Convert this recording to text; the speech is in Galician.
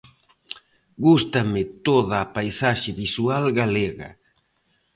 Gústame toda a paisaxe visual galega.